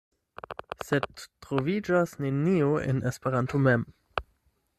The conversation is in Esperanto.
Sed troviĝas nenio en Esperanto mem.